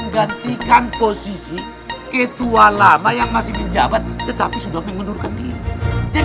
gantikan posisi ketua lama yang masih di jabat tetapi sudah mengundurkan diri